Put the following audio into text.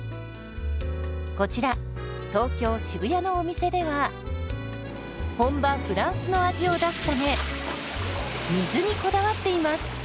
こちら東京・渋谷のお店では本場フランスの味を出すため水にこだわっています。